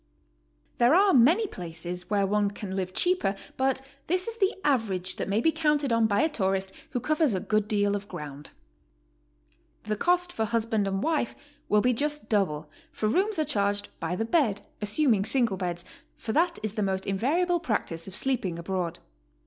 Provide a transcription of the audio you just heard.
There are many places where one can live cheaper, but this is the average that may be counted on by a tourist who covers a good deal of ground. GOING ABROAD? '^/le cost for husband and wife will be just double, for rooms are charged by the bed, assuming single beds, for that is the almost invariable practice of sleeping abroad.